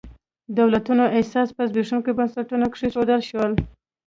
دولتونو اساس پر زبېښونکو بنسټونو کېښودل شو.